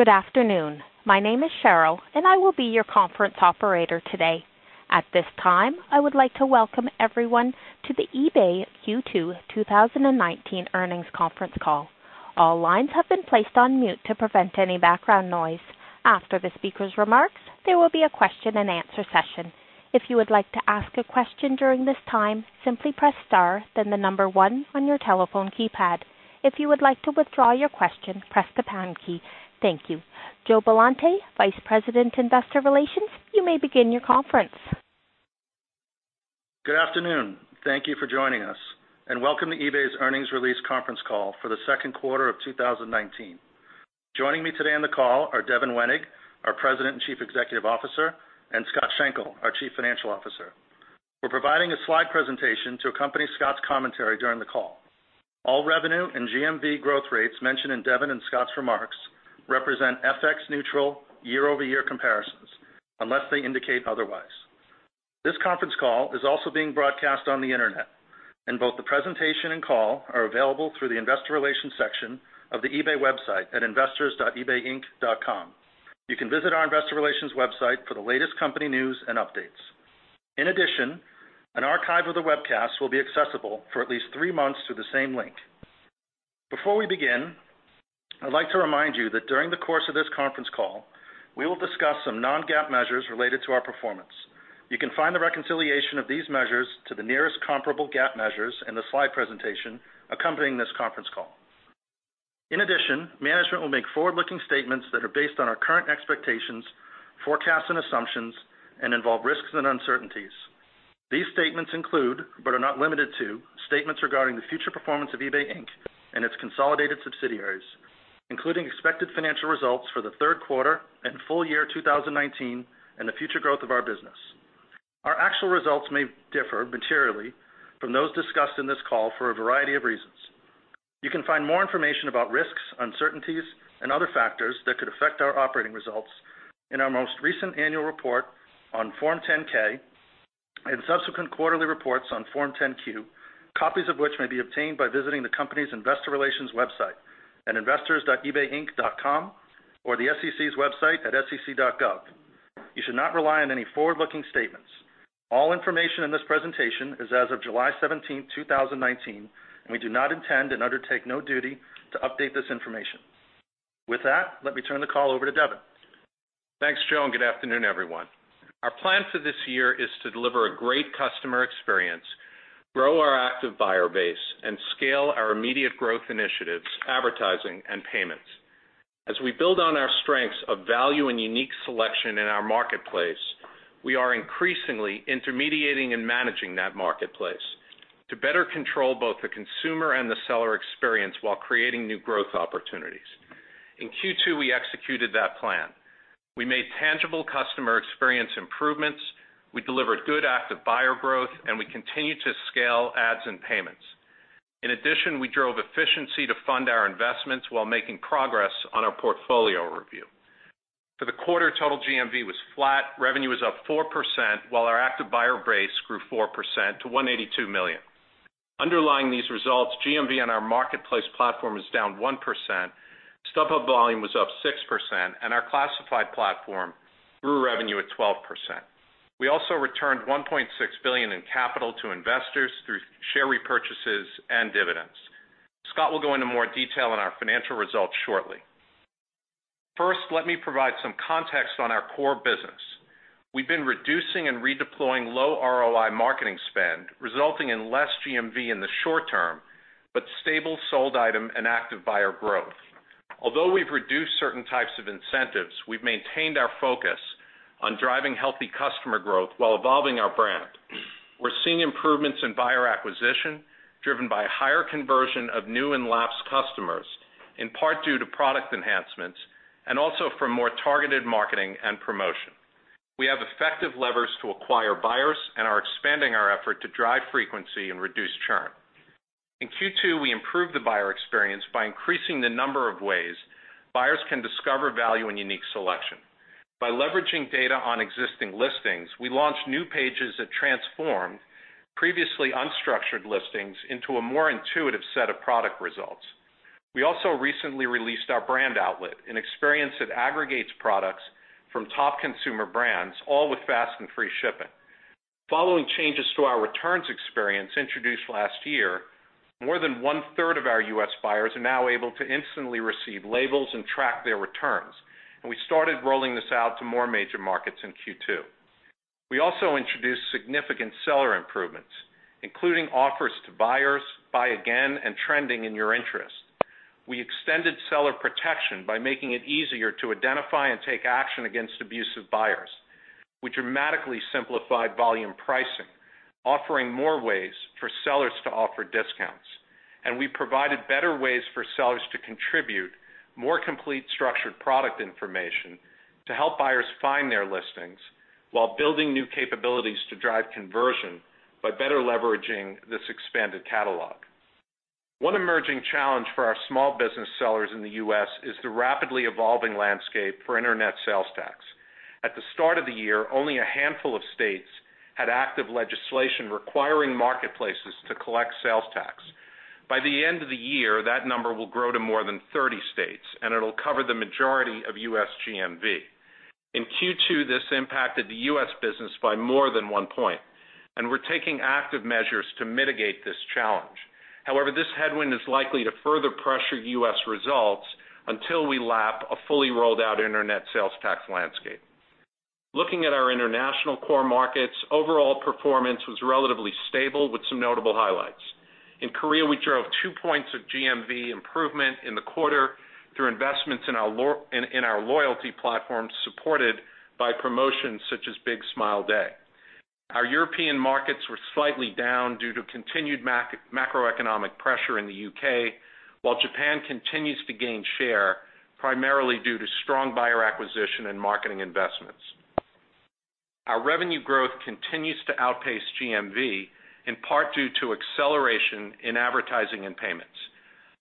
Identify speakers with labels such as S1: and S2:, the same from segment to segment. S1: Good afternoon. My name is Cheryl, and I will be your conference operator today. At this time, I would like to welcome everyone to the eBay Q2 2019 earnings conference call. All lines have been placed on mute to prevent any background noise. After the speaker's remarks, there will be a question and answer session. If you would like to ask a question during this time, simply press star, then the number 1 on your telephone keypad. If you would like to withdraw your question, press the pound key. Thank you. Joe Billante, Vice President, Investor Relations, you may begin your conference.
S2: Good afternoon. Thank you for joining us. Welcome to eBay's earnings release conference call for the second quarter of 2019. Joining me today on the call are Devin Wenig, our President and Chief Executive Officer, and Scott Schenkel, our Chief Financial Officer. We're providing a slide presentation to accompany Scott's commentary during the call. All revenue and GMV growth rates mentioned in Devin and Scott's remarks represent FX neutral year-over-year comparisons, unless they indicate otherwise. This conference call is also being broadcast on the Internet, and both the presentation and call are available through the investor relations section of the eBay website at investors.ebayinc.com. You can visit our investor relations website for the latest company news and updates. In addition, an archive of the webcast will be accessible for at least three months through the same link. Before we begin, I'd like to remind you that during the course of this conference call, we will discuss some non-GAAP measures related to our performance. You can find the reconciliation of these measures to the nearest comparable GAAP measures in the slide presentation accompanying this conference call. In addition, management will make forward-looking statements that are based on our current expectations, forecasts, and assumptions, and involve risks and uncertainties. These statements include, but are not limited to, statements regarding the future performance of eBay Inc. and its consolidated subsidiaries, including expected financial results for the third quarter and full year 2019 and the future growth of our business. Our actual results may differ materially from those discussed in this call for a variety of reasons. You can find more information about risks, uncertainties, and other factors that could affect our operating results in our most recent annual report on Form 10-K and subsequent quarterly reports on Form 10-Q, copies of which may be obtained by visiting the company's investor relations website at investors.ebayinc.com or the SEC's website at sec.gov. You should not rely on any forward-looking statements. All information in this presentation is as of July 17, 2019. We do not intend and undertake no duty to update this information. With that, let me turn the call over to Devin.
S3: Thanks, Joe, good afternoon, everyone. Our plan for this year is to deliver a great customer experience, grow our active buyer base, and scale our immediate growth initiatives, advertising, and payments. As we build on our strengths of value and unique selection in our marketplace, we are increasingly intermediating and managing that marketplace to better control both the consumer and the seller experience while creating new growth opportunities. In Q2, we executed that plan. We made tangible customer experience improvements. We delivered good active buyer growth, and we continued to scale ads and payments. In addition, we drove efficiency to fund our investments while making progress on our portfolio review. For the quarter, total GMV was flat, revenue was up 4%, while our active buyer base grew 4% to 182 million. Underlying these results, GMV on our marketplace platform is down 1%, StubHub volume was up 6%, our Classifieds platform grew revenue at 12%. We also returned $1.6 billion in capital to investors through share repurchases and dividends. Scott will go into more detail on our financial results shortly. First, let me provide some context on our core business. We've been reducing and redeploying low ROI marketing spend, resulting in less GMV in the short term, but stable sold item and active buyer growth. Although we've reduced certain types of incentives, we've maintained our focus on driving healthy customer growth while evolving our brand. We're seeing improvements in buyer acquisition driven by a higher conversion of new and lapsed customers, in part due to product enhancements and also from more targeted marketing and promotion. We have effective levers to acquire buyers and are expanding our effort to drive frequency and reduce churn. In Q2, we improved the buyer experience by increasing the number of ways buyers can discover value and unique selection. By leveraging data on existing listings, we launched new pages that transformed previously unstructured listings into a more intuitive set of product results. We also recently released our Brand Outlet, an experience that aggregates products from top consumer brands, all with fast and free shipping. Following changes to our returns experience introduced last year, more than one-third of our U.S. buyers are now able to instantly receive labels and track their returns, we started rolling this out to more major markets in Q2. We also introduced significant seller improvements, including Offers to Buyers, Buy Again, and Trending in Your Interest. We extended seller protection by making it easier to identify and take action against abusive buyers. We dramatically simplified volume pricing, offering more ways for sellers to offer discounts. We provided better ways for sellers to contribute more complete structured product information to help buyers find their listings while building new capabilities to drive conversion by better leveraging this expanded catalog. One emerging challenge for our small business sellers in the U.S. is the rapidly evolving landscape for internet sales tax. At the start of the year, only a handful of states had active legislation requiring marketplaces to collect sales tax. By the end of the year, that number will grow to more than 30 states, and it'll cover the majority of U.S. GMV. In Q2, this impacted the U.S. business by more than one point, and we're taking active measures to mitigate this challenge. However, this headwind is likely to further pressure U.S. results until we lap a fully rolled-out internet sales tax landscape. Looking at our international core markets, overall performance was relatively stable with some notable highlights. In Korea, we drove two points of GMV improvement in the quarter through investments in our loyalty platform, supported by promotions such as Big Smile Day. Our European markets were slightly down due to continued macroeconomic pressure in the U.K., while Japan continues to gain share, primarily due to strong buyer acquisition and marketing investments. Our revenue growth continues to outpace GMV, in part due to acceleration in advertising and payments.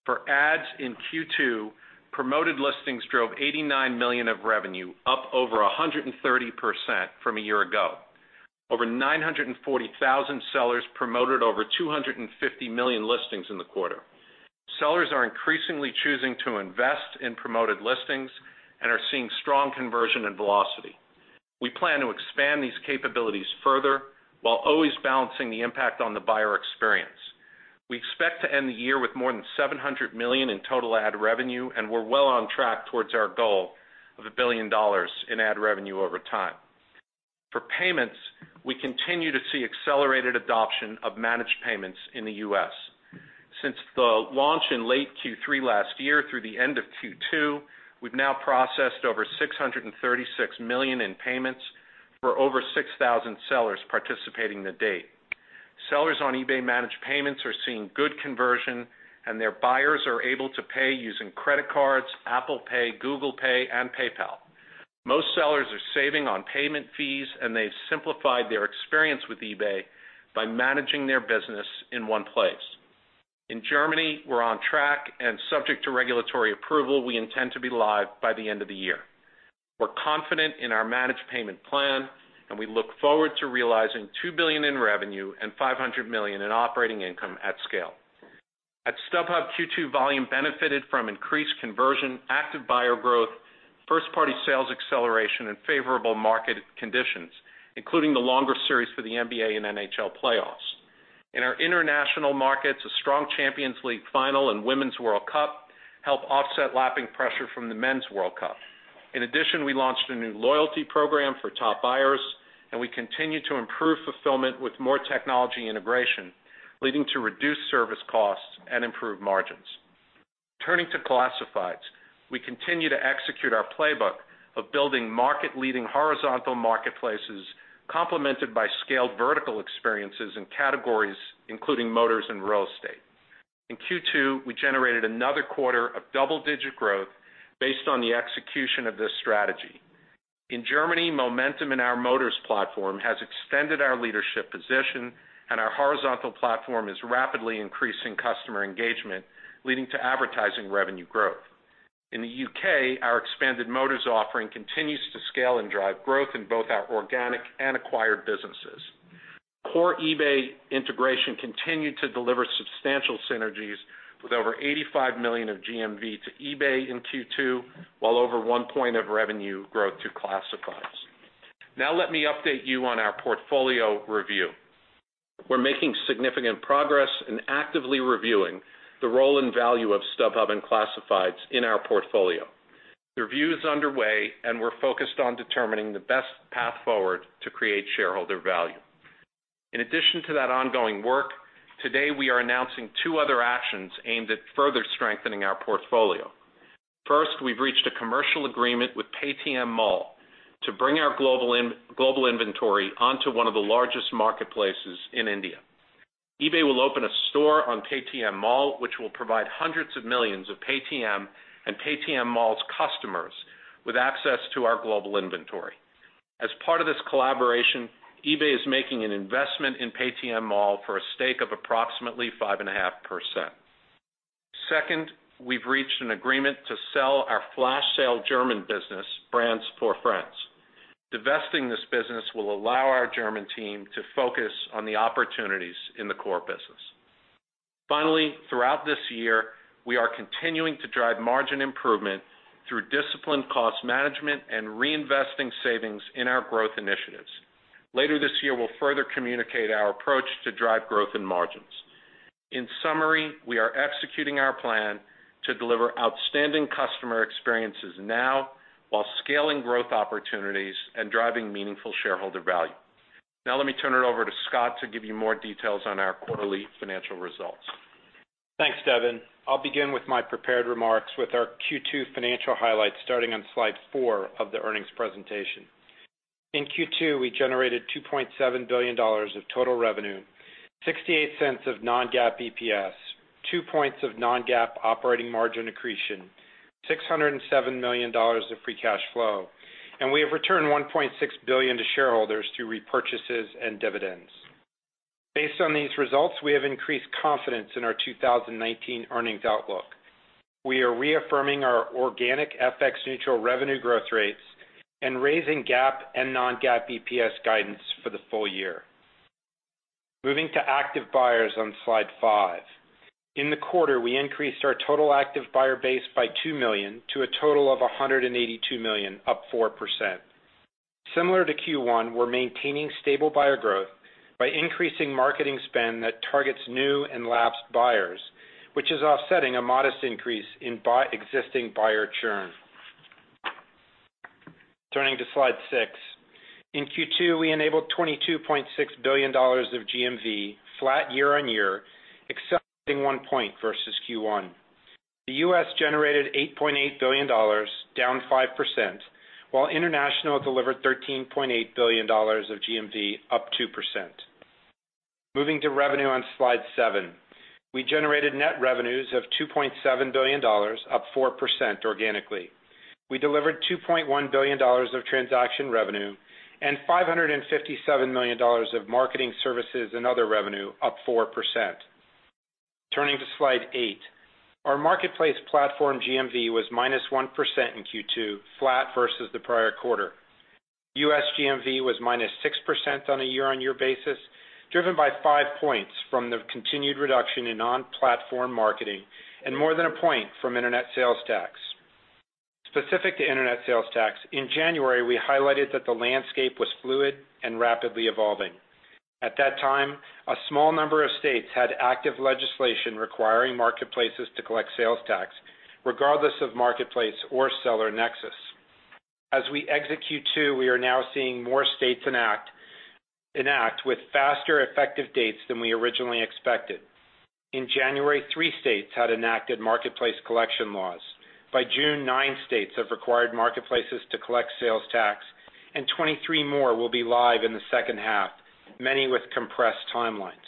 S3: For ads in Q2, Promoted Listings drove $89 million of revenue, up over 130% from a year ago. Over 940,000 sellers promoted over 250 million listings in the quarter. Sellers are increasingly choosing to invest in Promoted Listings and are seeing strong conversion and velocity. We plan to expand these capabilities further, while always balancing the impact on the buyer experience. We expect to end the year with more than $700 million in total ad revenue, and we're well on track towards our goal of $1 billion in ad revenue over time. For payments, we continue to see accelerated adoption of managed payments in the U.S. Since the launch in late Q3 last year through the end of Q2, we've now processed over $636 million in payments for over 6,000 sellers participating to date. Sellers on eBay Managed Payments are seeing good conversion, and their buyers are able to pay using credit cards, Apple Pay, Google Pay, and PayPal. Most sellers are saving on payment fees, and they've simplified their experience with eBay by managing their business in one place. In Germany, we're on track and subject to regulatory approval, we intend to be live by the end of the year. We're confident in our managed payment plan, and we look forward to realizing $2 billion in revenue and $500 million in operating income at scale. At StubHub, Q2 volume benefited from increased conversion, active buyer growth, first-party sales acceleration, and favorable market conditions, including the longer series for the NBA and NHL playoffs. In our international markets, a strong Champions League final and Women's World Cup help offset lapping pressure from the Men's World Cup. In addition, we launched a new loyalty program for top buyers, and we continue to improve fulfillment with more technology integration, leading to reduced service costs and improved margins. Turning to Classifieds, we continue to execute our playbook of building market-leading horizontal marketplaces complemented by scaled vertical experiences in categories including motors and real estate. In Q2, we generated another quarter of double-digit growth based on the execution of this strategy. In Germany, momentum in our motors platform has extended our leadership position, and our horizontal platform is rapidly increasing customer engagement, leading to advertising revenue growth. In the U.K., our expanded motors offering continues to scale and drive growth in both our organic and acquired businesses. Core eBay integration continued to deliver substantial synergies with over $85 million of GMV to eBay in Q2, while over one point of revenue growth to Classifieds. Let me update you on our portfolio review. We're making significant progress in actively reviewing the role and value of StubHub and Classifieds in our portfolio. The review is underway, we're focused on determining the best path forward to create shareholder value. In addition to that ongoing work, today, we are announcing two other actions aimed at further strengthening our portfolio. First, we've reached a commercial agreement with Paytm Mall to bring our global inventory onto one of the largest marketplaces in India. eBay will open a store on Paytm Mall, which will provide hundreds of millions of Paytm and Paytm Mall's customers with access to our global inventory. As part of this collaboration, eBay is making an investment in Paytm Mall for a stake of approximately 5.5%. Second, we've reached an agreement to sell our flash sale German business, brands4friends. Divesting this business will allow our German team to focus on the opportunities in the core business. Finally, throughout this year, we are continuing to drive margin improvement through disciplined cost management and reinvesting savings in our growth initiatives. Later this year, we'll further communicate our approach to drive growth and margins. In summary, we are executing our plan to deliver outstanding customer experiences now while scaling growth opportunities and driving meaningful shareholder value. Let me turn it over to Scott to give you more details on our quarterly financial results.
S4: Thanks, Devin. I'll begin with my prepared remarks with our Q2 financial highlights starting on slide four of the earnings presentation. In Q2, we generated $2.7 billion of total revenue, $0.68 of non-GAAP EPS, two points of non-GAAP operating margin accretion, $607 million of free cash flow, we have returned $1.6 billion to shareholders through repurchases and dividends. Based on these results, we have increased confidence in our 2019 earnings outlook. We are reaffirming our organic FX neutral revenue growth rates and raising GAAP and non-GAAP EPS guidance for the full year. Moving to active buyers on slide five. In the quarter, we increased our total active buyer base by two million to a total of 182 million, up 4%. Similar to Q1, we're maintaining stable buyer growth by increasing marketing spend that targets new and lapsed buyers, which is offsetting a modest increase in existing buyer churn. Turning to slide six. In Q2, we enabled $22.6 billion of GMV, flat year-on-year, except in one point versus Q1. The U.S. generated $8.8 billion, down 5%, while international delivered $13.8 billion of GMV, up 2%. Moving to revenue on slide seven. We generated net revenues of $2.7 billion, up 4% organically. We delivered $2.1 billion of transaction revenue and $557 million of marketing services and other revenue, up 4%. Turning to slide eight. Our marketplace platform GMV was -1% in Q2, flat versus the prior quarter. U.S. GMV was -6% on a year-on-year basis, driven by five points from the continued reduction in on-platform marketing and more than a point from internet sales tax. Specific to internet sales tax, in January, we highlighted that the landscape was fluid and rapidly evolving. At that time, a small number of states had active legislation requiring marketplaces to collect sales tax, regardless of marketplace or seller nexus. As we exit Q2, we are now seeing more states enact with faster effective dates than we originally expected. In January, three states had enacted marketplace collection laws. By June, nine states have required marketplaces to collect sales tax, and 23 more will be live in the second half, many with compressed timelines.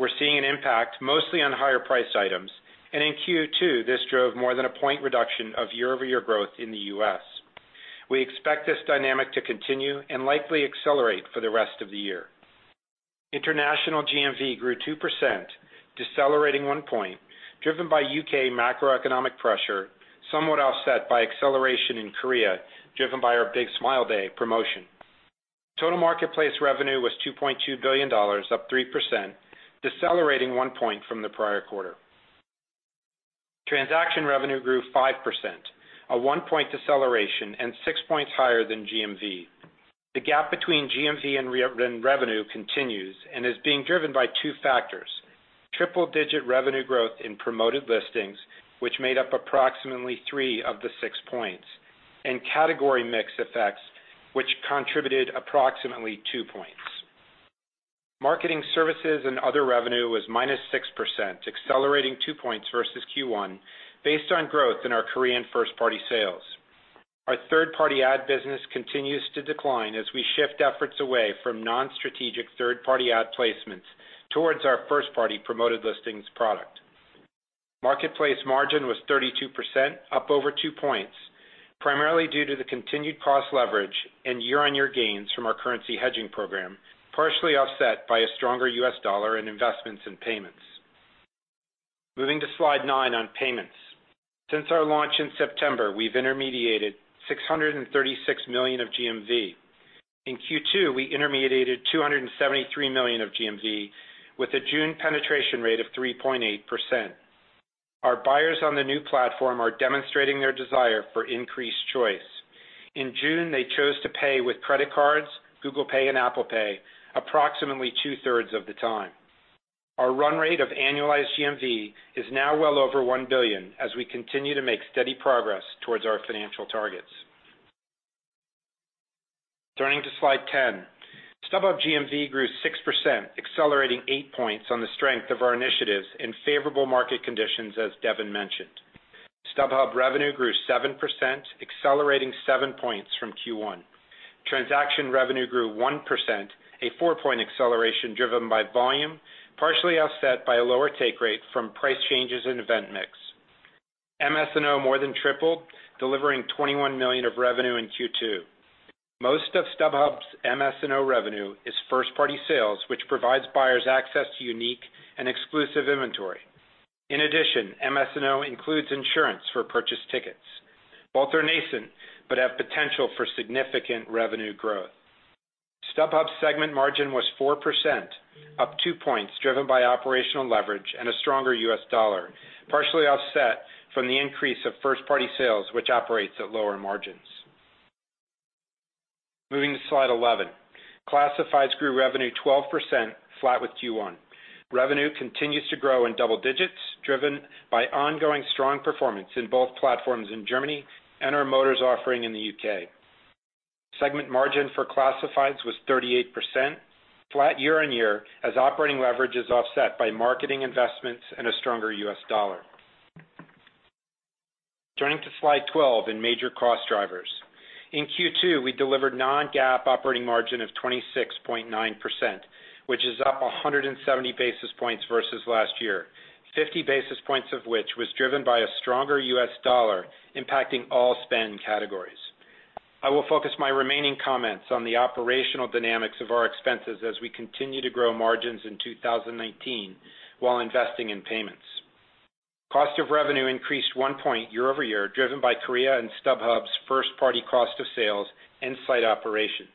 S4: We're seeing an impact, mostly on higher priced items, and in Q2, this drove more than a point reduction of year-over-year growth in the U.S. We expect this dynamic to continue and likely accelerate for the rest of the year. International GMV grew 2%, decelerating one point, driven by U.K. macroeconomic pressure, somewhat offset by acceleration in Korea, driven by our Big Smile Day promotion. Total marketplace revenue was $2.2 billion, up 3%, decelerating one point from the prior quarter. Transaction revenue grew 5%, a one point deceleration and six points higher than GMV. The gap between GMV and revenue continues and is being driven by two factors, triple-digit revenue growth in Promoted Listings, which made up approximately three of the six points, and category mix effects, which contributed approximately two points. Marketing services and other revenue was -6%, accelerating two points versus Q1 based on growth in our Korean first-party sales. Our third-party ad business continues to decline as we shift efforts away from non-strategic third-party ad placements towards our first-party Promoted Listings product. Marketplace margin was 32%, up over two points, primarily due to the continued cost leverage and year-on-year gains from our currency hedging program, partially offset by a stronger U.S. dollar and investments in payments. Moving to slide nine on payments. Since our launch in September, we've intermediated $636 million of GMV. In Q2, we intermediated $273 million of GMV with a June penetration rate of 3.8%. Our buyers on the new platform are demonstrating their desire for increased choice. In June, they chose to pay with credit cards, Google Pay and Apple Pay approximately two-thirds of the time. Our run rate of annualized GMV is now well over $1 billion as we continue to make steady progress towards our financial targets. Turning to slide 10. StubHub GMV grew 6%, accelerating eight points on the strength of our initiatives in favorable market conditions, as Devin mentioned. StubHub revenue grew 7%, accelerating seven points from Q1. Transaction revenue grew 1%, a four-point acceleration driven by volume, partially offset by a lower take rate from price changes and event mix. MS&O more than tripled, delivering $21 million of revenue in Q2. Most of StubHub's MS&O revenue is first-party sales, which provides buyers access to unique and exclusive inventory. In addition, MS&O includes insurance for purchased tickets. Both are nascent but have potential for significant revenue growth. StubHub's segment margin was 4%, up two points driven by operational leverage and a stronger US dollar, partially offset from the increase of first-party sales, which operates at lower margins. Moving to slide 11. Classifieds grew revenue 12%, flat with Q1. Revenue continues to grow in double digits, driven by ongoing strong performance in both platforms in Germany and our motors offering in the U.K. Segment margin for Classifieds was 38%, flat year-on-year as operating leverage is offset by marketing investments and a stronger US dollar. Turning to slide 12 in major cost drivers. In Q2, we delivered non-GAAP operating margin of 26.9%, which is up 170 basis points versus last year, 50 basis points of which was driven by a stronger US dollar impacting all spend categories. I will focus my remaining comments on the operational dynamics of our expenses as we continue to grow margins in 2019 while investing in payments. Cost of revenue increased one point year-over-year, driven by Korea and StubHub's first-party cost of sales and site operations.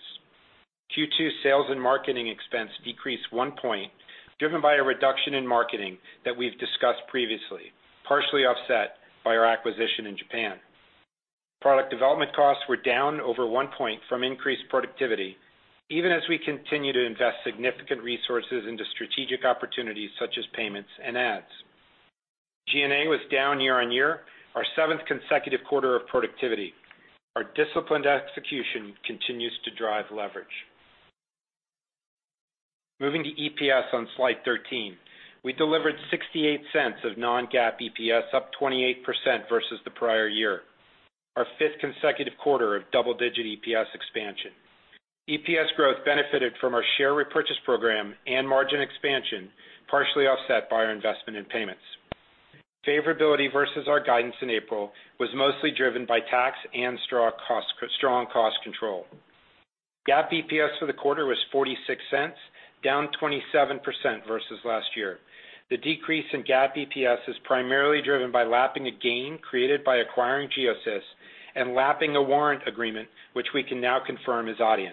S4: Q2 sales and marketing expense decreased one point, driven by a reduction in marketing that we've discussed previously, partially offset by our acquisition in Japan. Product development costs were down over one point from increased productivity, even as we continue to invest significant resources into strategic opportunities such as payments and ads. G&A was down year-on-year, our seventh consecutive quarter of productivity. Our disciplined execution continues to drive leverage. Moving to EPS on slide 13. We delivered $0.68 of non-GAAP EPS, up 28% versus the prior year, our fifth consecutive quarter of double-digit EPS expansion. EPS growth benefited from our share repurchase program and margin expansion, partially offset by our investment in payments. Favorability versus our guidance in April was mostly driven by tax and strong cost control. GAAP EPS for the quarter was $0.46, down 27% versus last year. The decrease in GAAP EPS is primarily driven by lapping a gain created by acquiring Giosis and lapping a warrant agreement, which we can now confirm is Adyen.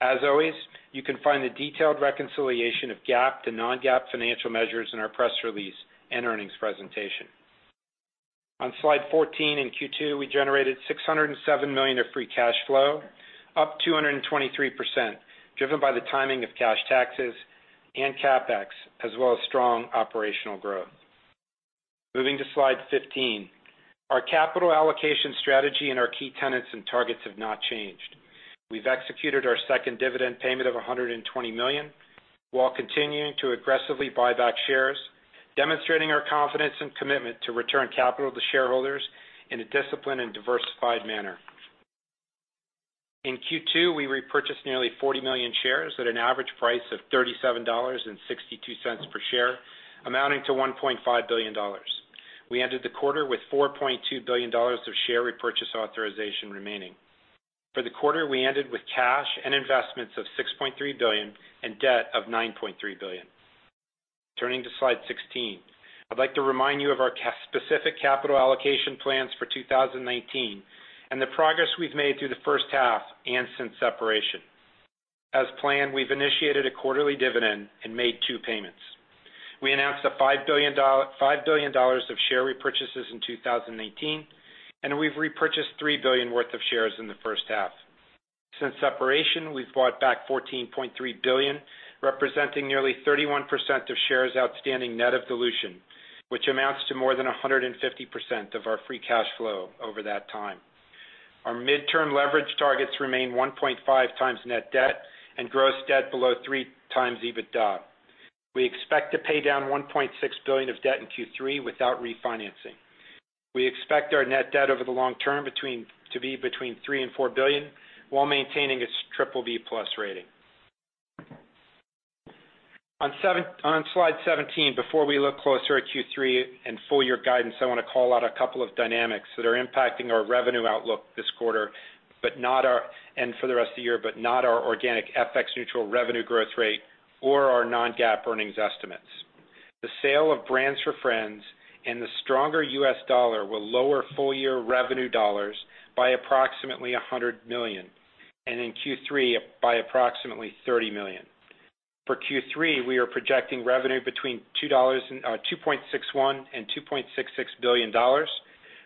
S4: As always, you can find the detailed reconciliation of GAAP to non-GAAP financial measures in our press release and earnings presentation. On slide 14, in Q2, we generated $607 million of free cash flow, up 223%, driven by the timing of cash taxes and CapEx, as well as strong operational growth. Moving to slide 15. Our capital allocation strategy and our key tenets and targets have not changed. We've executed our second dividend payment of $120 million while continuing to aggressively buy back shares, demonstrating our confidence and commitment to return capital to shareholders in a disciplined and diversified manner. In Q2, we repurchased nearly 40 million shares at an average price of $37.62 per share, amounting to $1.5 billion. We ended the quarter with $4.2 billion of share repurchase authorization remaining. For the quarter, we ended with cash and investments of $6.3 billion and debt of $9.3 billion. Turning to slide 16. I'd like to remind you of our specific capital allocation plans for 2019 and the progress we've made through the first half and since separation. As planned, we've initiated a quarterly dividend and made two payments. We announced $5 billion of share repurchases in 2019, and we've repurchased $3 billion worth of shares in the first half. Since separation, we've bought back $14.3 billion, representing nearly 31% of shares outstanding net of dilution, which amounts to more than 150% of our free cash flow over that time. Our midterm leverage targets remain 1.5x net debt and gross debt below 3 times EBITDA. We expect to pay down $1.6 billion of debt in Q3 without refinancing. We expect our net debt over the long term to be between $3 billion and $4 billion while maintaining its BBB+ rating. On slide 17, before we look closer at Q3 and full year guidance, I want to call out a couple of dynamics that are impacting our revenue outlook this quarter, and for the rest of the year, but not our organic FX neutral revenue growth rate or our non-GAAP earnings estimates. The sale of brands4friends and the stronger U.S. dollar will lower full year revenue dollars by approximately $100 million, and in Q3 by approximately $30 million. For Q3, we are projecting revenue between $2.61 billion and $2.66 billion,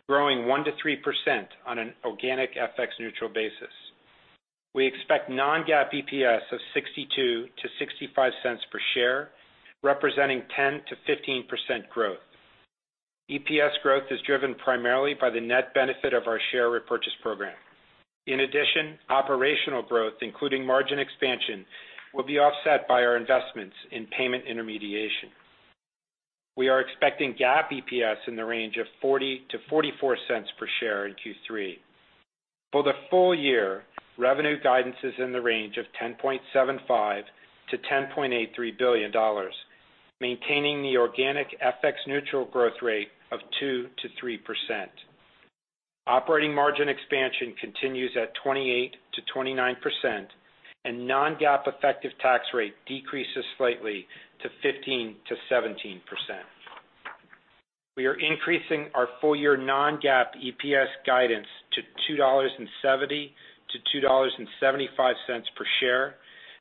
S4: growing 1%-3% on an organic FX neutral basis. We expect non-GAAP EPS of $0.62-$0.65 per share, representing 10%-15% growth. EPS growth is driven primarily by the net benefit of our share repurchase program. In addition, operational growth, including margin expansion, will be offset by our investments in payment intermediation. We are expecting GAAP EPS in the range of $0.40-$0.44 per share in Q3. For the full year, revenue guidance is in the range of $10.75 billion-$10.83 billion, maintaining the organic FX neutral growth rate of 2%-3%. Operating margin expansion continues at 28%-29%, and non-GAAP effective tax rate decreases slightly to 15%-17%. We are increasing our full year non-GAAP EPS guidance to $2.70-$2.75 per share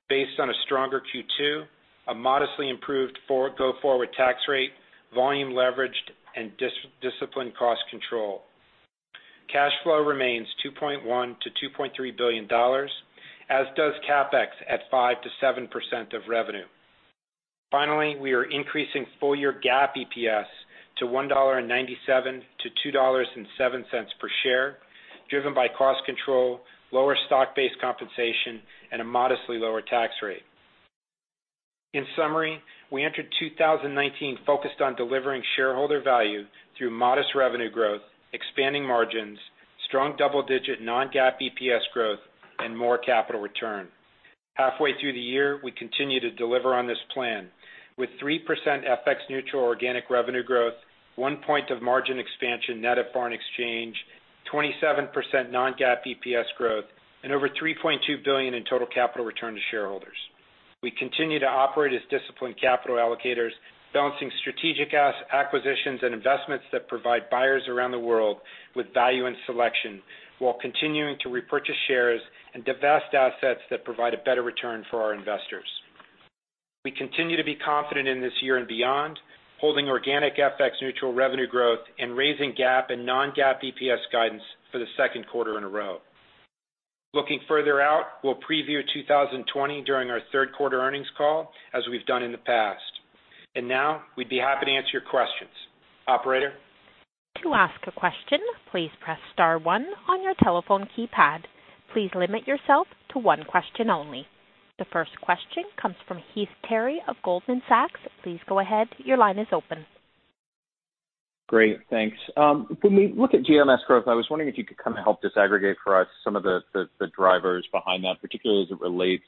S4: based on a stronger Q2, a modestly improved go forward tax rate, volume leverage, and disciplined cost control. Cash flow remains $2.1 billion-$2.3 billion, as does CapEx at 5%-7% of revenue. Finally, we are increasing full year GAAP EPS to $1.97-$2.07 per share, driven by cost control, lower stock-based compensation, and a modestly lower tax rate. In summary, we entered 2019 focused on delivering shareholder value through modest revenue growth, expanding margins, strong double-digit non-GAAP EPS and more capital return. Halfway through the year, we continue to deliver on this plan, with 3% FX neutral organic revenue growth, one point of margin expansion net of foreign exchange, 27% non-GAAP EPS growth, and over $3.2 billion in total capital return to shareholders. We continue to operate as disciplined capital allocators, balancing strategic acquisitions and investments that provide buyers around the world with value and selection, while continuing to repurchase shares and divest assets that provide a better return for our investors. We continue to be confident in this year and beyond, holding organic FX neutral revenue growth and raising GAAP and non-GAAP EPS guidance for the second quarter in a row. Looking further out, we'll preview 2020 during our third quarter earnings call, as we've done in the past. Now, we'd be happy to answer your questions. Operator?
S1: To ask a question, please press star one on your telephone keypad. Please limit yourself to one question only. The first question comes from Heath Terry of Goldman Sachs. Please go ahead, your line is open.
S5: Great, thanks. When we look at GMV growth, I was wondering if you could help disaggregate for us some of the drivers behind that, particularly as it relates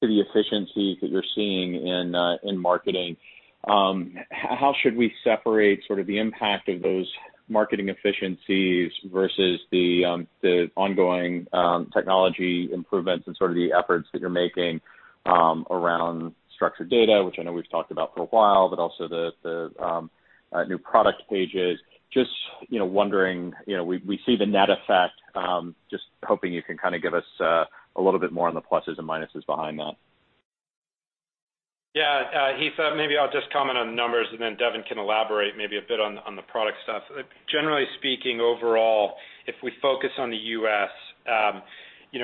S5: to the efficiencies that you're seeing in marketing. How should we separate the impact of those marketing efficiencies versus the ongoing technology improvements and the efforts that you're making around structured data, which I know we've talked about for a while, but also the new product pages. Just wondering, we see the net effect. Just hoping you can give us a little bit more on the pluses and minuses behind that.
S4: Yeah, Heath, maybe I'll just comment on the numbers. Then Devin can elaborate maybe a bit on the product stuff. Generally speaking, overall, if we focus on the U.S.,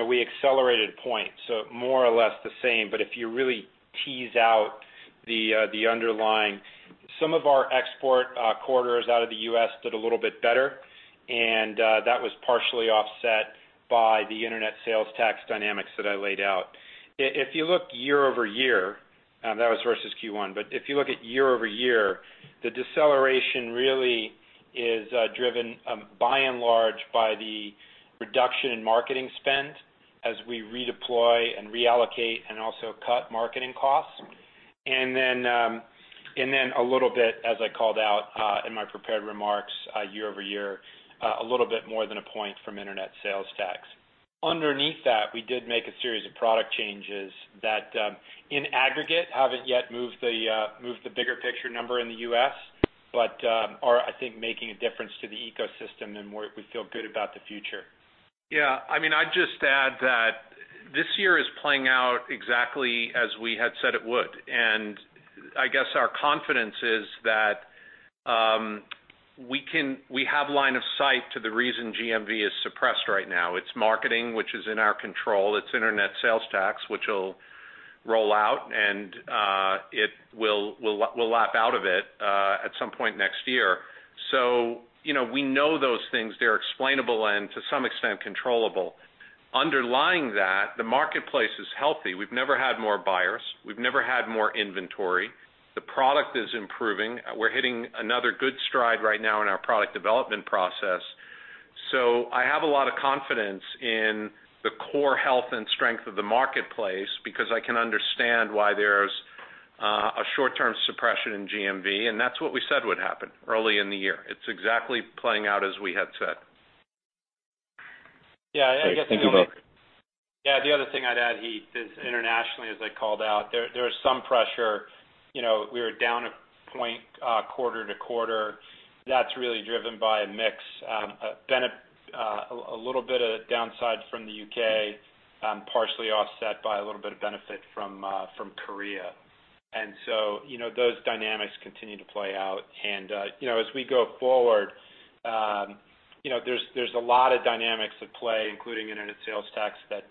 S4: we accelerated points, so more or less the same. But if you really tease out the underlying, some of our export corridors out of the U.S. did a little bit better, and that was partially offset by the internet sales tax dynamics that I laid out. If you look year-over-year, that was versus Q1, but if you look at year-over-year, the deceleration really is driven by and large by the reduction in marketing spend as we redeploy and reallocate, and also cut marketing costs. Then a little bit, as I called out in my prepared remarks, year-over-year, a little bit more than one point from internet sales tax. Underneath that, we did make a series of product changes that, in aggregate, haven't yet moved the bigger picture number in the U.S., but are, I think, making a difference to the ecosystem and we feel good about the future.
S3: Yeah, I'd just add that this year is playing out exactly as we had said it would. I guess our confidence is that we have line of sight to the reason GMV is suppressed right now. It's marketing, which is in our control. It's internet sales tax, which will roll out, and we'll lap out of it at some point next year. We know those things. They're explainable and, to some extent, controllable. Underlying that, the marketplace is healthy. We've never had more buyers. We've never had more inventory. The product is improving. We're hitting another good stride right now in our product development process. I have a lot of confidence in the core health and strength of the marketplace because I can understand why there's a short-term suppression in GMV, and that's what we said would happen early in the year. It's exactly playing out as we had said.
S4: Yeah. The other thing I'd add, Heath, is internationally, as I called out, there is some pressure. We were down a point quarter-over-quarter. That's really driven by a mix. A little bit of downside from the U.K., partially offset by a little bit of benefit from Korea. Those dynamics continue to play out. As we go forward, there's a lot of dynamics at play, including internet sales tax that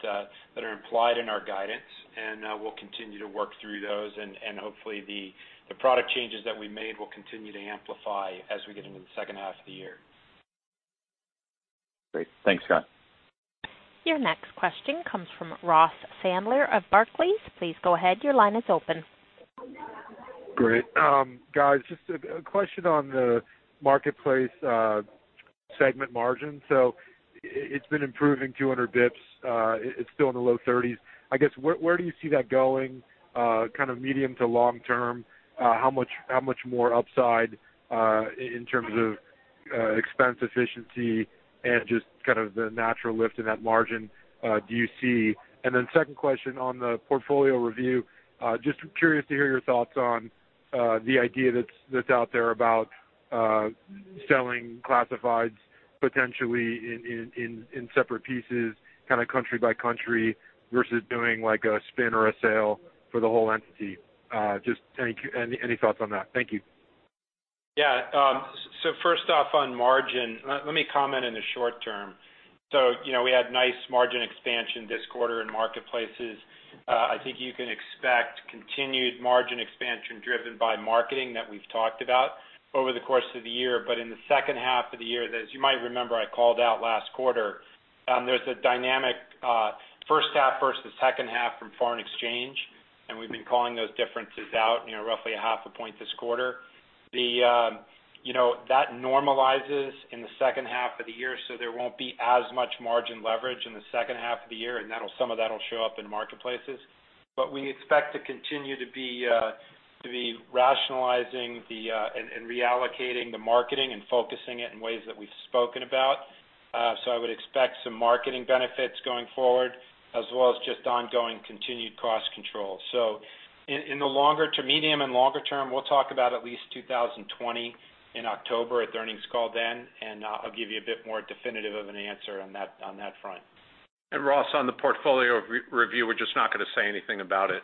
S4: are implied in our guidance, and we'll continue to work through those. Hopefully the product changes that we made will continue to amplify as we get into the second half of the year.
S5: Great. Thanks, guys.
S1: Your next question comes from Ross Sandler of Barclays. Please go ahead, your line is open.
S6: Great. Guys, just a question on the marketplace segment margin. It's been improving 200 basis points. It's still in the low 30s. I guess, where do you see that going medium to long term? How much more upside in terms of expense efficiency and just the natural lift in that margin do you see? Second question on the portfolio review. Just curious to hear your thoughts on the idea that's out there about selling Classifieds potentially in separate pieces, country by country, versus doing a spin or a sale for the whole entity. Just any thoughts on that? Thank you.
S4: Yeah. First off, on margin, let me comment in the short term. We had nice margin expansion this quarter in marketplaces. I think you can expect continued margin expansion driven by marketing that we've talked about over the course of the year. In the second half of the year, as you might remember I called out last quarter, there's a dynamic first half versus second half from foreign exchange. And we've been calling those differences out roughly a half a point this quarter. That normalizes in the second half of the year, so there won't be as much margin leverage in the second half of the year, and some of that'll show up in marketplaces. We expect to continue to be rationalizing and reallocating the marketing and focusing it in ways that we've spoken about. I would expect some marketing benefits going forward, as well as just ongoing continued cost control. In the medium and longer term, we'll talk about at least 2020 in October at the earnings call then, I'll give you a bit more definitive of an answer on that front.
S3: Ross, on the portfolio review, we're just not going to say anything about it.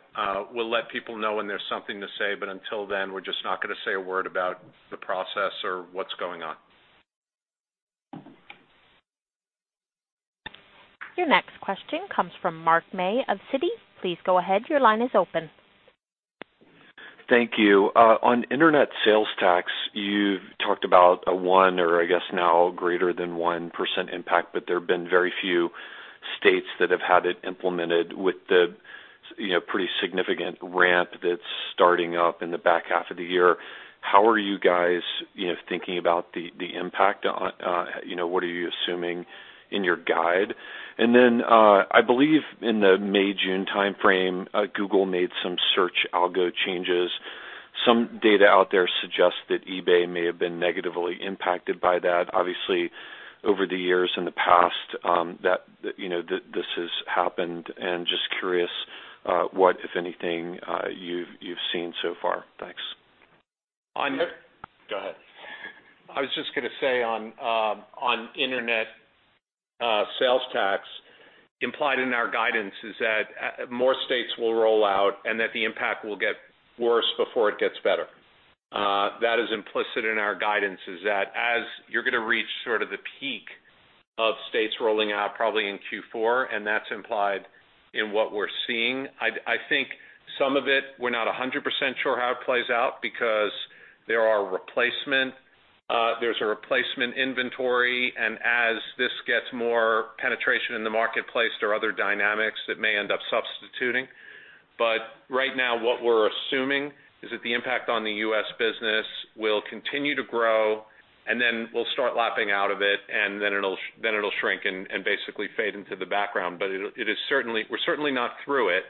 S3: We'll let people know when there's something to say, until then, we're just not going to say a word about the process or what's going on.
S1: Your next question comes from Mark May of Citi. Please go ahead. Your line is open.
S7: Thank you. On internet sales tax, you've talked about a one or I guess now greater than 1% impact, there have been very few states that have had it implemented with the pretty significant ramp that's starting up in the back half of the year. How are you guys thinking about the impact? What are you assuming in your guide? I believe in the May-June timeframe, Google made some search algo changes. Some data out there suggests that eBay may have been negatively impacted by that. Obviously, over the years in the past, this has happened, just curious, what, if anything, you've seen so far. Thanks.
S3: On- Go ahead.
S4: I was just going to say on internet sales tax, implied in our guidance is that more states will roll out and that the impact will get worse before it gets better. That is implicit in our guidance is that as you're going to reach sort of the peak of states rolling out probably in Q4, and that's implied in what we're seeing. I think some of it, we're not 100% sure how it plays out because there's a replacement inventory, and as this gets more penetration in the marketplace, there are other dynamics that may end up substituting. Right now what we're assuming is that the impact on the U.S. business will continue to grow, and then we'll start lapping out of it, and then it'll shrink and basically fade into the background. We're certainly not through it.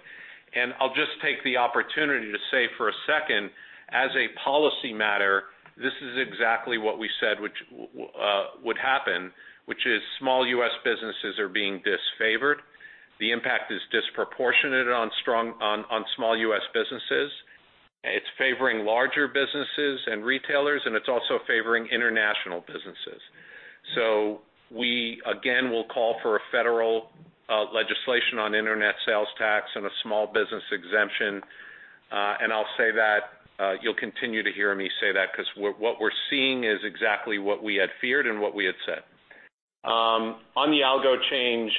S4: I'll just take the opportunity to say for a second, as a policy matter, this is exactly what we said would happen, which is small U.S. businesses are being disfavored. The impact is disproportionate on small U.S. businesses. It's favoring larger businesses and retailers, and it's also favoring international businesses. We, again, will call for a federal legislation on internet sales tax and a small business exemption. I'll say that you'll continue to hear me say that because what we're seeing is exactly what we had feared and what we had said. On the algo change,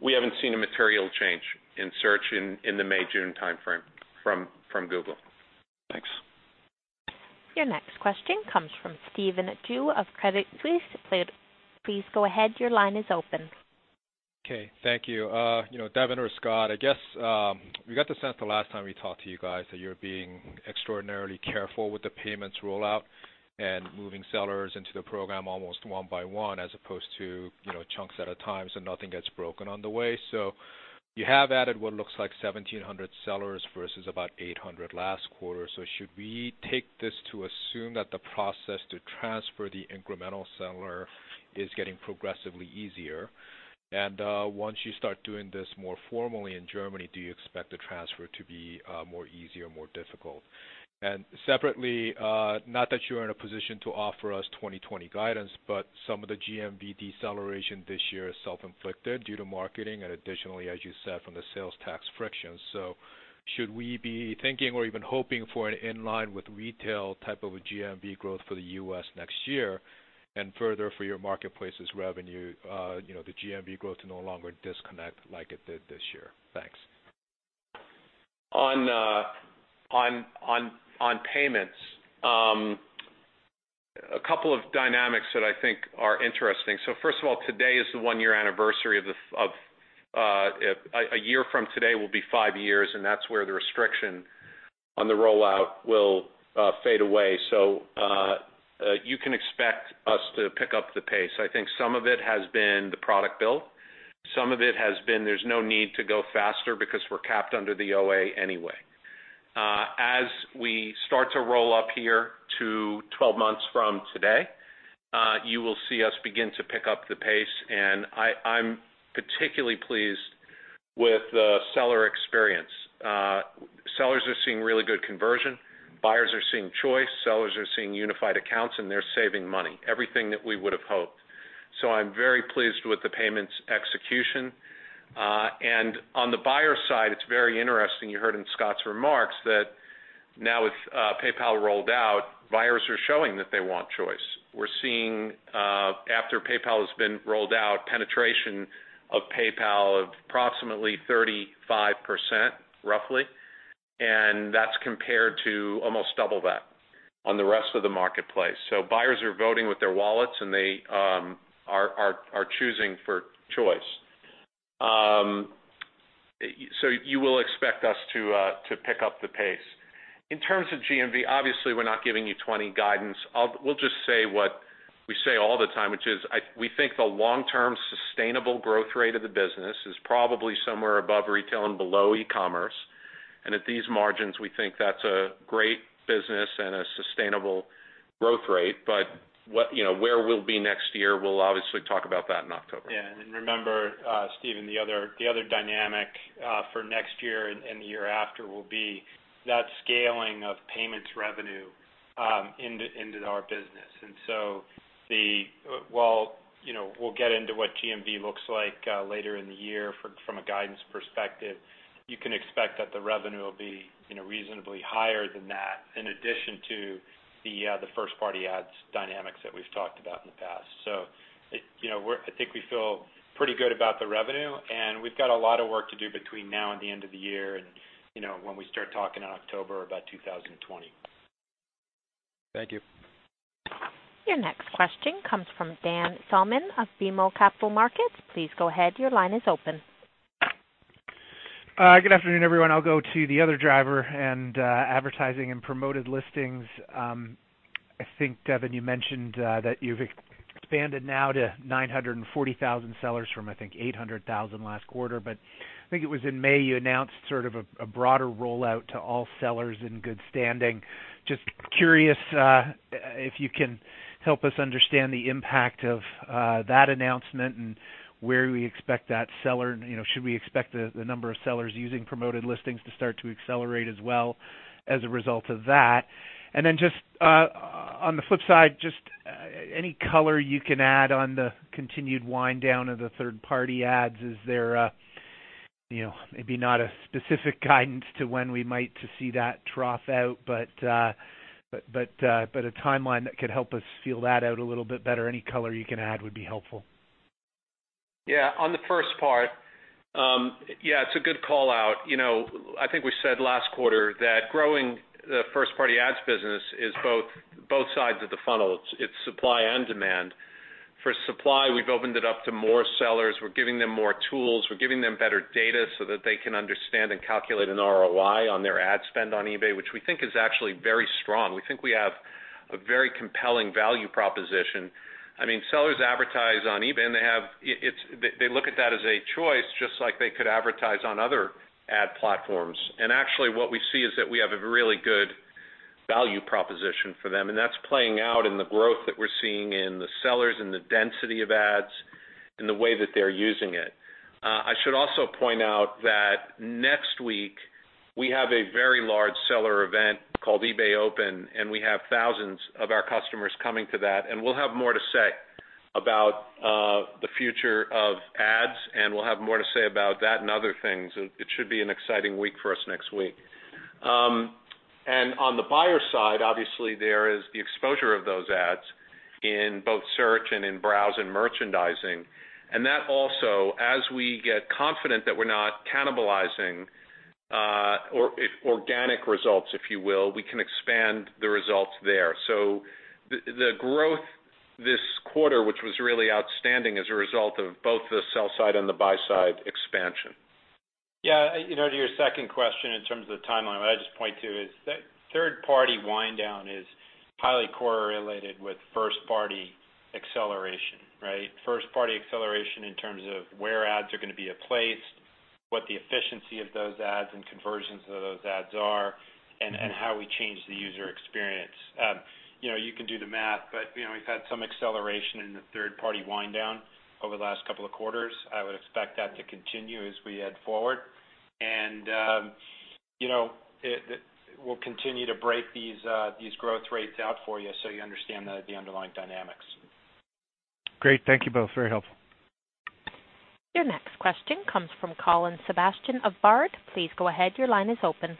S4: we haven't seen a material change in search in the May-June timeframe from Google.
S7: Thanks.
S1: Your next question comes from Stephen Ju of Credit Suisse. Please go ahead. Your line is open.
S8: Okay. Thank you. Devin or Scott, I guess we got the sense the last time we talked to you guys that you're being extraordinarily careful with the payments rollout and moving sellers into the program almost one by one, as opposed to chunks at a time so nothing gets broken on the way. You have added what looks like 1,700 sellers versus about 800 last quarter. Should we take this to assume that the process to transfer the incremental seller is getting progressively easier? Once you start doing this more formally in Germany, do you expect the transfer to be more easier, more difficult? Separately, not that you're in a position to offer us 2020 guidance, but some of the GMV deceleration this year is self-inflicted due to marketing and additionally, as you said, from the sales tax friction. Should we be thinking or even hoping for an in line with retail type of a GMV growth for the U.S. next year and further for your marketplace's revenue, the GMV growth to no longer disconnect like it did this year? Thanks.
S3: On payments, a couple of dynamics that I think are interesting. First of all, today is the one year anniversary a year from today will be five years, and that's where the restriction on the rollout will fade away. You can expect us to pick up the pace. I think some of it has been the product build. Some of it has been there's no need to go faster because we're capped under the OA anyway. As we start to roll up here to 12 months from today, you will see us begin to pick up the pace, and I'm particularly pleased with the seller experience. Sellers are seeing really good conversion. Buyers are seeing choice, sellers are seeing unified accounts, and they're saving money. Everything that we would have hoped. I'm very pleased with the payments execution. On the buyer side, it's very interesting. You heard in Scott's remarks that now with PayPal rolled out, buyers are showing that they want choice. We're seeing after PayPal has been rolled out, penetration of PayPal of approximately 35%, roughly, and that's compared to almost double that. On the rest of the marketplace. Buyers are voting with their wallets and they are choosing for choice. You will expect us to pick up the pace. In terms of GMV, obviously we're not giving you 2020 guidance. We'll just say what we say all the time, which is, we think the long-term sustainable growth rate of the business is probably somewhere above retail and below e-commerce. At these margins, we think that's a great business and a sustainable growth rate. Where we'll be next year, we'll obviously talk about that in October.
S4: Yeah. Remember, Stephen, the other dynamic for next year and the year after will be that scaling of payments revenue into our business. We'll get into what GMV looks like later in the year from a guidance perspective. You can expect that the revenue will be reasonably higher than that in addition to the first-party ads dynamics that we've talked about in the past. I think we feel pretty good about the revenue, and we've got a lot of work to do between now and the end of the year and when we start talking in October about 2020.
S8: Thank you.
S1: Your next question comes from Dan Salmon of BMO Capital Markets. Please go ahead, your line is open.
S9: Good afternoon, everyone. I'll go to the other driver and advertising and Promoted Listings. I think, Devin, you mentioned that you've expanded now to 940,000 sellers from, I think, 800,000 last quarter. I think it was in May you announced sort of a broader rollout to all sellers in good standing. Just curious if you can help us understand the impact of that announcement and where we expect that seller, should we expect the number of sellers using Promoted Listings to start to accelerate as well as a result of that? And then just on the flip side, just any color you can add on the continued wind down of the third-party ads. Is there maybe not a specific guidance to when we might to see that trough out, but a timeline that could help us feel that out a little bit better? Any color you can add would be helpful.
S3: Yeah. On the first part, it's a good call-out. I think we said last quarter that growing the first-party ads business is both sides of the funnel. It's supply and demand. For supply, we've opened it up to more sellers. We're giving them more tools. We're giving them better data so that they can understand and calculate an ROI on their ad spend on eBay, which we think is actually very strong. We think we have a very compelling value proposition. Sellers advertise on eBay, and they look at that as a choice, just like they could advertise on other ad platforms. Actually what we see is that we have a really good value proposition for them, and that's playing out in the growth that we're seeing in the sellers and the density of ads and the way that they're using it. I should also point out that next week we have a very large seller event called eBay Open. We have thousands of our customers coming to that. We'll have more to say about the future of ads. We'll have more to say about that and other things. It should be an exciting week for us next week. On the buyer side, obviously there is the exposure of those ads in both search and in browse and merchandising. That also, as we get confident that we're not cannibalizing organic results, if you will, we can expand the results there. The growth this quarter, which was really outstanding as a result of both the sell side and the buy side expansion.
S4: Yeah. To your second question in terms of the timeline, what I'd just point to is that third-party wind down is highly correlated with first-party acceleration, right? First-party acceleration in terms of where ads are going to be placed, what the efficiency of those ads and conversions of those ads are, and how we change the user experience. You can do the math. We've had some acceleration in the third-party wind down over the last couple of quarters. I would expect that to continue as we head forward. We'll continue to break these growth rates out for you so you understand the underlying dynamics.
S9: Great. Thank you both. Very helpful.
S1: Your next question comes from Colin Sebastian of Baird. Please go ahead. Your line is open.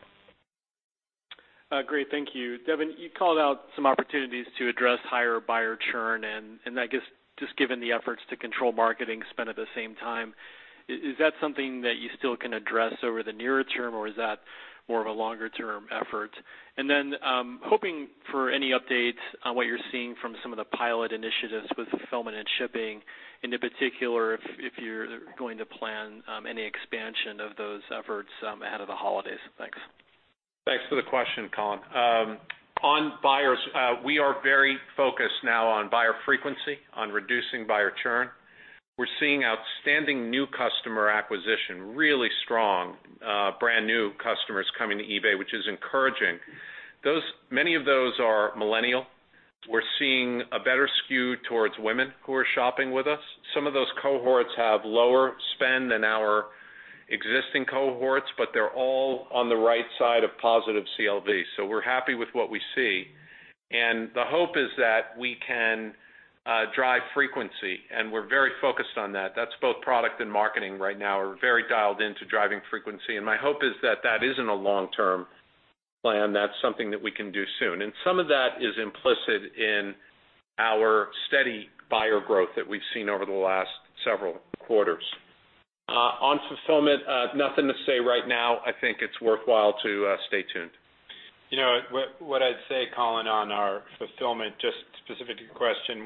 S10: Great. Thank you. Devin, you called out some opportunities to address higher buyer churn. I guess just given the efforts to control marketing spend at the same time, is that something that you still can address over the nearer term or is that more of a longer-term effort? Then hoping for any updates on what you're seeing from some of the pilot initiatives with fulfillment and shipping. In particular, if you're going to plan any expansion of those efforts ahead of the holidays. Thanks.
S3: Thanks for the question, Colin. On buyers, we are very focused now on buyer frequency, on reducing buyer churn. We're seeing outstanding new customer acquisition, really strong brand-new customers coming to eBay, which is encouraging. Many of those are millennial. We're seeing a better skew towards women who are shopping with us. Some of those cohorts have lower spend than our existing cohorts, but they're all on the right side of positive CLV. We're happy with what we see. The hope is that we can drive frequency, and we're very focused on that. That's both product and marketing right now are very dialed in to driving frequency, and my hope is that that isn't a long-term plan. That's something that we can do soon. Some of that is implicit in our steady buyer growth that we've seen over the last several quarters. On fulfillment, nothing to say right now. I think it's worthwhile to stay tuned.
S4: What I'd say, Colin, on our fulfillment, just specific to your question,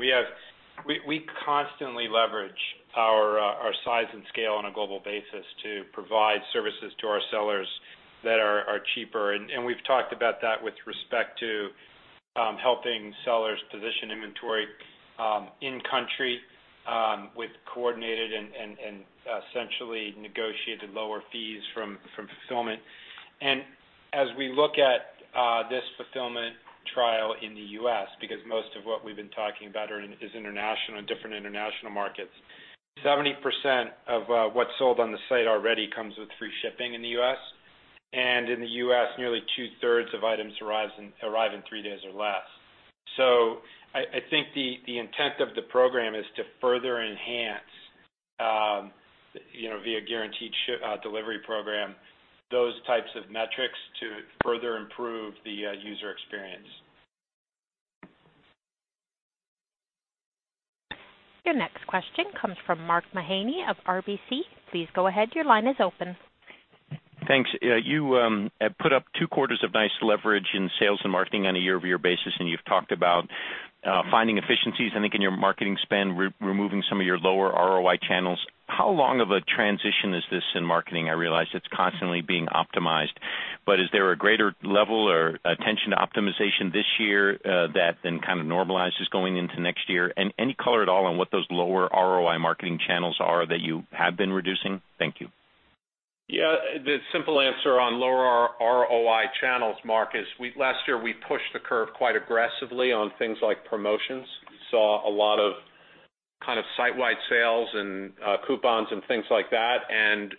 S4: we constantly leverage our size and scale on a global basis to provide services to our sellers that are cheaper. We've talked about that with respect to helping sellers position inventory in country with coordinated and essentially negotiated lower fees from fulfillment. As we look at this fulfillment trial in the U.S., because most of what we've been talking about is international and different international markets, 70% of what's sold on the site already comes with free shipping in the U.S. In the U.S., nearly two-thirds of items arrive in three days or less. I think the intent of the program is to further enhance, via Guaranteed Delivery program, those types of metrics to further improve the user experience.
S1: Your next question comes from Mark Mahaney of RBC. Please go ahead. Your line is open.
S11: Thanks. You have put up two quarters of nice leverage in sales and marketing on a year-over-year basis, and you've talked about finding efficiencies, I think, in your marketing spend, removing some of your lower ROI channels. How long of a transition is this in marketing? I realize it's constantly being optimized, but is there a greater level or attention to optimization this year that then kind of normalizes going into next year? Any color at all on what those lower ROI marketing channels are that you have been reducing? Thank you.
S3: Yeah. The simple answer on lower ROI channels, Mark, is last year we pushed the curve quite aggressively on things like promotions. We saw a lot of site-wide sales and coupons and things like that.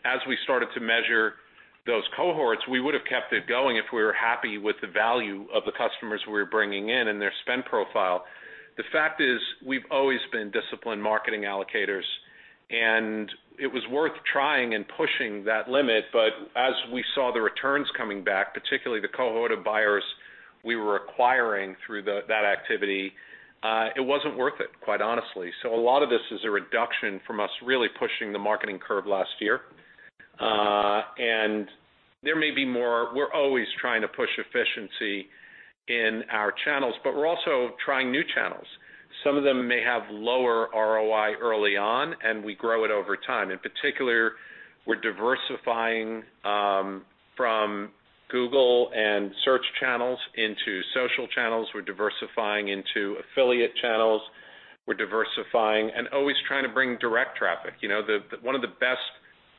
S3: As we started to measure those cohorts, we would have kept it going if we were happy with the value of the customers we were bringing in and their spend profile. The fact is, we've always been disciplined marketing allocators, and it was worth trying and pushing that limit, but as we saw the returns coming back, particularly the cohort of buyers we were acquiring through that activity, it wasn't worth it, quite honestly. A lot of this is a reduction from us really pushing the marketing curve last year. There may be more. We're always trying to push efficiency in our channels, but we're also trying new channels. Some of them may have lower ROI early on, and we grow it over time. In particular, we're diversifying from Google and search channels into social channels. We're diversifying into affiliate channels. We're diversifying and always trying to bring direct traffic. One of the best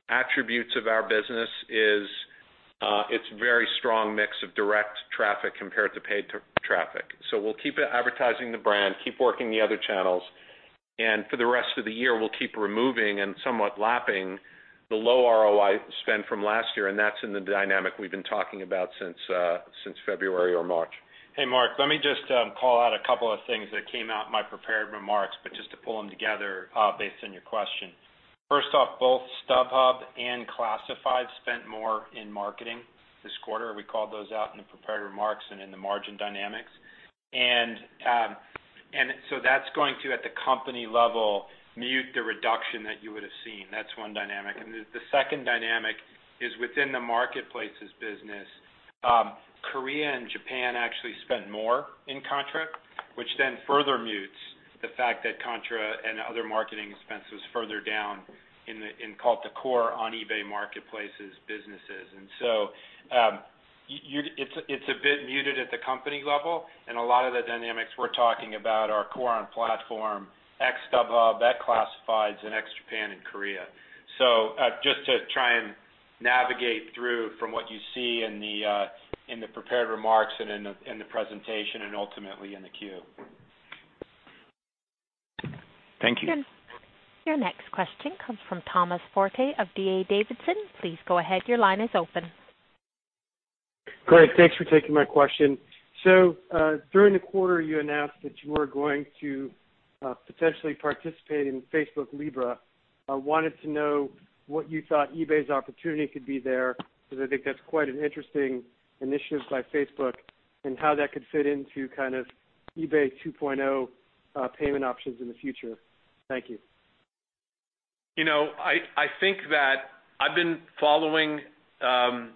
S3: attributes of our business is its very strong mix of direct traffic compared to paid traffic. We'll keep advertising the brand, keep working the other channels, and for the rest of the year, we'll keep removing and somewhat lapping the low ROI spend from last year, and that's in the dynamic we've been talking about since February or March.
S4: Hey, Mark, let me just call out a couple of things that came out in my prepared remarks, but just to pull them together based on your question. First off, both StubHub and Classifieds spent more in marketing this quarter. We called those out in the prepared remarks and in the margin dynamics. That's going to, at the company level, mute the reduction that you would have seen. That's one dynamic. The second dynamic is within the marketplaces business. Korea and Japan actually spent more in Contra, which then further mutes the fact that Contra and other marketing expense was further down in call it the core on eBay marketplaces businesses. It's a bit muted at the company level, and a lot of the dynamics we're talking about are core on platform, ex-StubHub, ex-Classifieds, and ex-Japan and Korea. Just to try and navigate through from what you see in the prepared remarks and in the presentation and ultimately in the Form 10-Q.
S11: Thank you.
S1: Your next question comes from Thomas Forte of D.A. Davidson. Please go ahead. Your line is open.
S12: Great. Thanks for taking my question. During the quarter, you announced that you were going to potentially participate in Facebook Libra. I wanted to know what you thought eBay's opportunity could be there, because I think that's quite an interesting initiative by Facebook, and how that could fit into kind of eBay 2.0 payment options in the future. Thank you.
S3: I think that I've been following crypto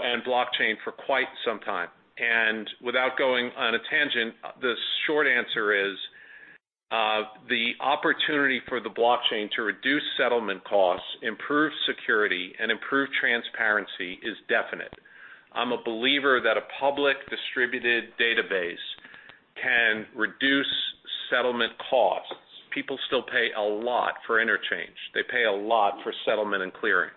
S3: and blockchain for quite some time, without going on a tangent, the short answer is the opportunity for the blockchain to reduce settlement costs, improve security, and improve transparency is definite. I'm a believer that a public distributed database can reduce settlement costs. People still pay a lot for interchange. They pay a lot for settlement and clearing,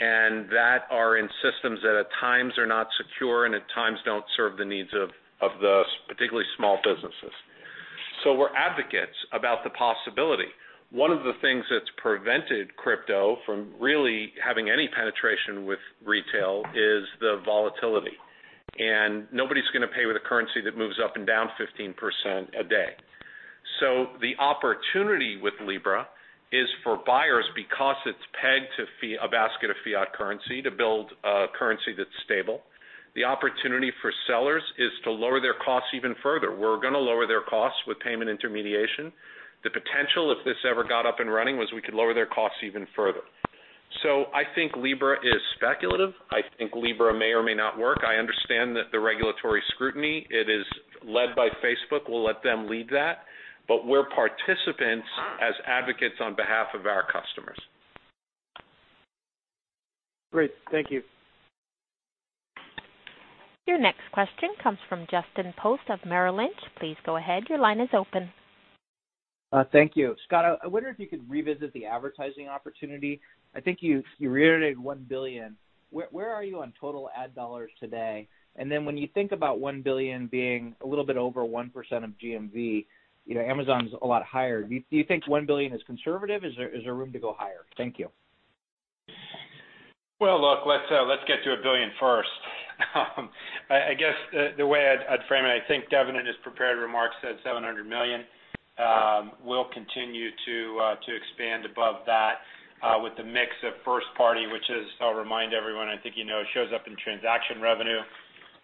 S3: and that are in systems that at times are not secure and at times don't serve the needs of the particularly small businesses. We're advocates about the possibility. One of the things that's prevented crypto from really having any penetration with retail is the volatility. Nobody's going to pay with a currency that moves up and down 15% a day. The opportunity with Libra is for buyers, because it's pegged to a basket of fiat currency, to build a currency that's stable The opportunity for sellers is to lower their costs even further. We're going to lower their costs with payment intermediation. The potential, if this ever got up and running, was we could lower their costs even further. I think Libra is speculative. I think Libra may or may not work. I understand that the regulatory scrutiny, it is led by Facebook. We'll let them lead that. We're participants as advocates on behalf of our customers.
S12: Great. Thank you.
S1: Your next question comes from Justin Post of Merrill Lynch. Please go ahead. Your line is open.
S13: Thank you. Scott, I wonder if you could revisit the advertising opportunity. I think you reiterated $1 billion. Where are you on total ad dollars today? When you think about $1 billion being a little bit over 1% of GMV, Amazon's a lot higher. Do you think $1 billion is conservative? Is there room to go higher? Thank you.
S4: Well, look, let's get to $1 billion first. I guess the way I'd frame it, I think Devin in his prepared remarks said $700 million. We'll continue to expand above that with the mix of first party, which is, I'll remind everyone, I think you know, shows up in transaction revenue.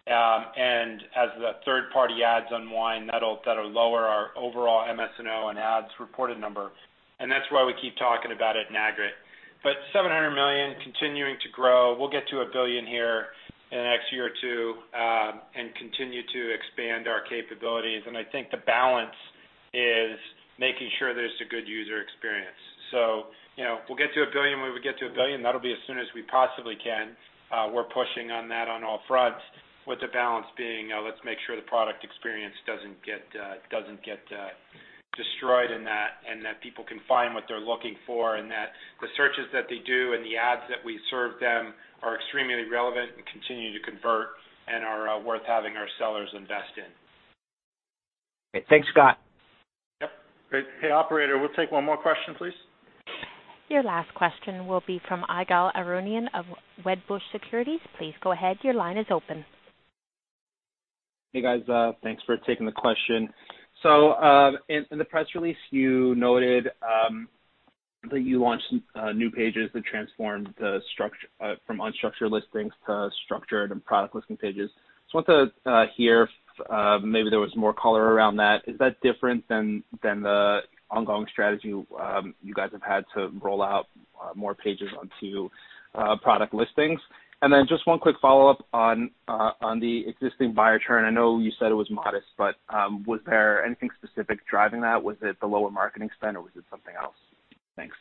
S4: As the third-party ads unwind, that'll lower our overall MS&O and ads reported number, and that's why we keep talking about it in aggregate. $700 million continuing to grow. We'll get to $1 billion here in the next year or two, and continue to expand our capabilities. I think the balance is making sure there's a good user experience. We'll get to $1 billion when we get to $1 billion. That'll be as soon as we possibly can. We're pushing on that on all fronts with the balance being, let's make sure the product experience doesn't get destroyed in that, and that people can find what they're looking for, and that the searches that they do and the ads that we serve them are extremely relevant and continue to convert and are worth having our sellers invest in.
S13: Great. Thanks, Scott.
S4: Yep. Great. Hey, operator, we'll take one more question, please.
S1: Your last question will be from Ygal Arounian of Wedbush Securities. Please go ahead. Your line is open.
S14: Hey, guys. Thanks for taking the question. In the press release, you noted that you launched some new pages that transformed from unstructured listings to structured and product listing pages. I want to hear if maybe there was more color around that. Is that different than the ongoing strategy you guys have had to roll out more pages onto product listings? Just one quick follow-up on the existing buyer churn. I know you said it was modest, was there anything specific driving that? Was it the lower marketing spend or was it something else? Thanks.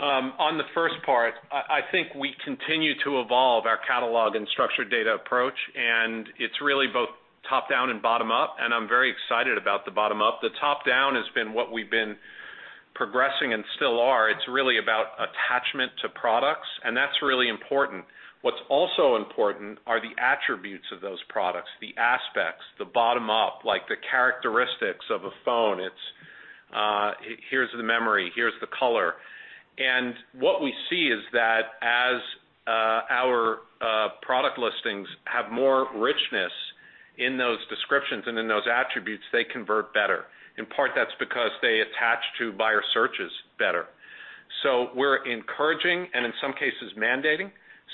S3: On the first part, I think we continue to evolve our catalog and structured data approach, and it's really both top-down and bottom-up, and I'm very excited about the bottom up. The top down has been what we've been progressing and still are. It's really about attachment to products, and that's really important. What's also important are the attributes of those products, the aspects, the bottom up, like the characteristics of a phone. It's here's the memory, here's the color. What we see is that as our product listings have more richness in those descriptions and in those attributes, they convert better. In part, that's because they attach to buyer searches better. We're encouraging and in some cases mandating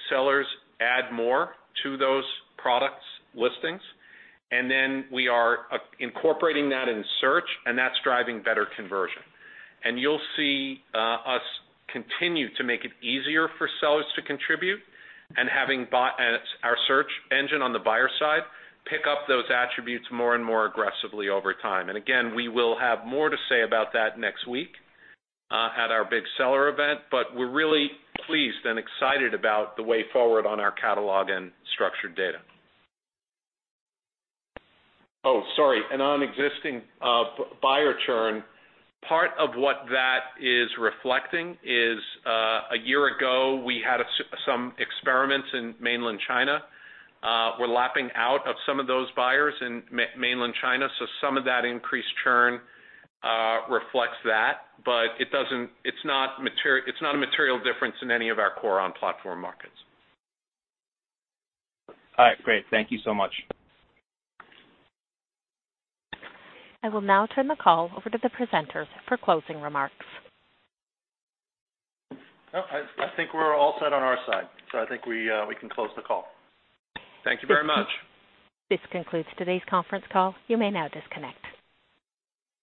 S3: sellers add more to those products listings, and then we are incorporating that in search and that's driving better conversion. You'll see us continue to make it easier for sellers to contribute and having our search engine on the buyer side pick up those attributes more and more aggressively over time. Again, we will have more to say about that next week, at our big seller event. We're really pleased and excited about the way forward on our catalog and structured data. Oh, sorry. On existing buyer churn, part of what that is reflecting is, a year ago, we had some experiments in mainland China. We're lapping out of some of those buyers in mainland China, so some of that increased churn reflects that. It's not a material difference in any of our core on-platform markets.
S14: All right, great. Thank you so much.
S1: I will now turn the call over to the presenters for closing remarks.
S2: I think we're all set on our side. I think we can close the call.
S3: Thank you very much.
S1: This concludes today's conference call. You may now disconnect.